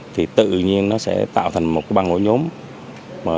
thì tự nhiên nó sẽ tạo thành một băng ổ nhóm